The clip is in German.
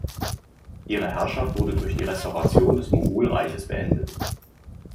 Ihre Herrschaft wurde durch die Restauration des Mogulreiches beendet.